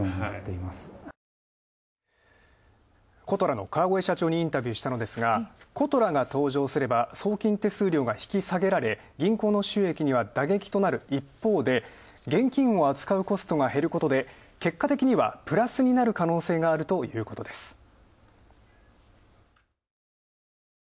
ことらの川越社長にインタビューしたのですがことらが登場すれば送金手数料が引き下げられ銀行の収益には打撃となる一方で現金を扱うコストが減ることで結果的にはプラスになる可能性があるということです。